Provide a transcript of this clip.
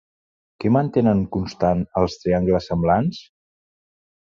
Què mantenen constants els triangles semblants?